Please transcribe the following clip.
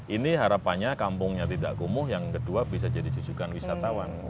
ini harapannya kampungnya tidak kumuh yang kedua bisa jadi jujukan wisatawan